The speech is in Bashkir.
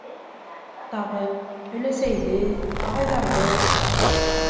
- Тағы... өләсәйҙе, ағайҙарҙы...